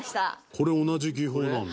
これ同じ技法なんだ。